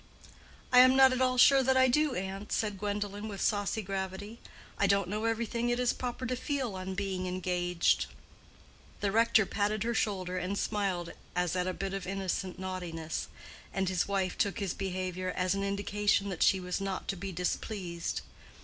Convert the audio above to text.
"I am not at all sure that I do, aunt," said Gwendolen, with saucy gravity. "I don't know everything it is proper to feel on being engaged." The rector patted her shoulder and smiled as at a bit of innocent naughtiness, and his wife took his behavior as an indication that she was not to be displeased.